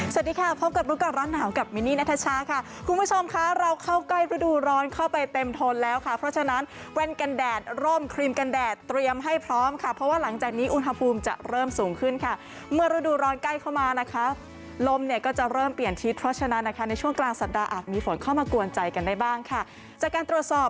สวัสดีค่ะพบกับรู้กับร้อนหนาวกับมินี่นาทชาค่ะคุณผู้ชมค่ะเราเข้าใกล้ฤดูร้อนเข้าไปเต็มทนแล้วค่ะเพราะฉะนั้นแว่นกันแดดร่มครีมกันแดดเตรียมให้พร้อมค่ะเพราะว่าหลังจากนี้อุณหภูมิจะเริ่มสูงขึ้นค่ะเมื่อฤดูร้อนใกล้เข้ามานะคะลมเนี่ยก็จะเริ่มเปลี่ยนทิศเพราะฉะนั้นนะคะในช่ว